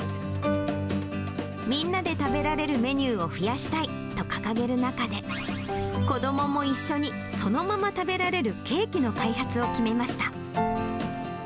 みんなで食べられるメニューを増やしたいと掲げる中で、子どもも一緒にそのまま食べられるケーキの開発を決めました。